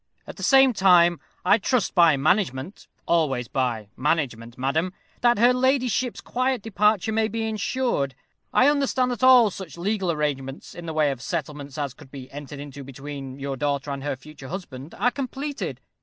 At the same time, I trust by management always by management, madam that her ladyship's quiet departure may be ensured. I understand that all such legal arrangements in the way of settlements as could be entered into between your daughter and her future husband are completed.